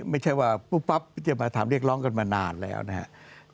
ไม่ใช่ว่าปุ๊บปั๊บจะมาถามเรียกร้องกันมานานแล้วนะครับ